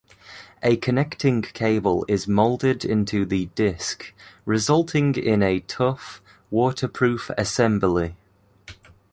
A connecting cable is moulded into the disc, resulting in a tough, waterproof assembly.